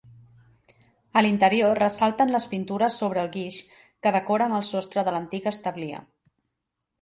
A l'interior ressalten les pintures sobre guix que decoren el sostre de l'antiga establia.